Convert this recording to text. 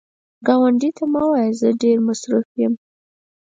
ګاونډي ته مه وایه “زه ډېر مصروف یم”